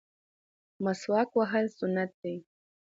مسواک وهل سنت دي